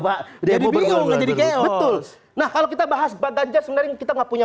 pak jadi bingung jadi kayak betul nah kalau kita bahas pak ganjar sebenarnya kita nggak punya